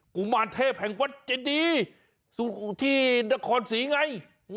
กุมารเทพแห่งวัดเจดีที่นครศรีไง